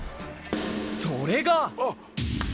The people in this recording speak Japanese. それが。